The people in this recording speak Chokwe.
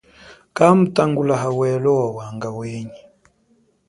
Kamutangula hawelo wawanga wenyi.